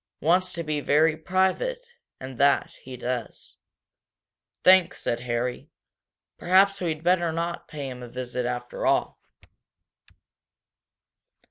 Wants to be very private, and that, he does." "Thanks," said Harry. "Perhaps we'd better not pay him a visit, after all."